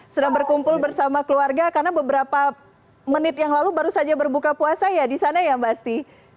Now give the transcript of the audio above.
sedang berkumpul bersama keluarga karena beberapa menit yang lalu baru saja berbuka puasa ya di sana ya mbak asti